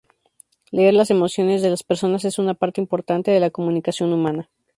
Leer las emociones de las personas es una parte importante de la comunicación humana.